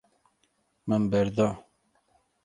Min berda.